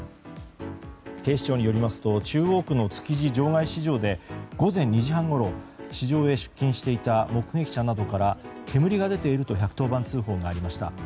警視庁によりますと中央区の築地場外市場で午前２時半ごろ市場へ出勤していた目撃者などから煙が出ていると１１０番通報がありました。